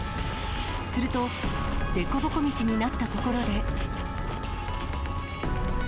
すると、凸凹道になったところで。